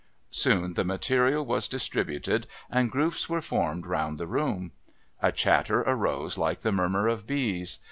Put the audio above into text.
Soon the material was distributed and groups were formed round the room. A chatter arose like the murmur of bees.